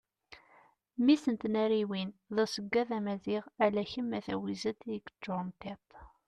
mmi-s n tnariwin d aseggad amaziɣ ala kem a tawizet i d-yeččuren tiṭ